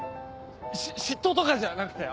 し嫉妬とかじゃなくてあの。